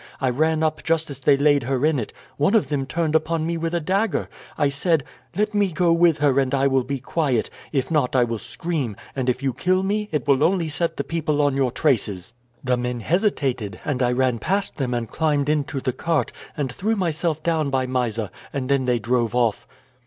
I ran up just as they laid her in it. One of them turned upon me with a dagger. I said: "'Let me go with her, and I will be quiet. If not, I will scream; and if you kill me, it will only set the people on your traces.' "The men hesitated, and I ran past them and climbed into the cart, and threw myself down by Mysa, and then they drove off."